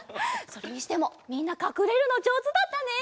それにしてもみんなかくれるのじょうずだったね。